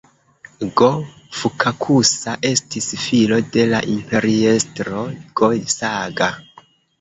Go-Fukakusa estis filo de la imperiestro Go-Saga.